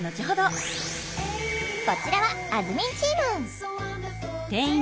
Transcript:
こちらはあずみんチーム。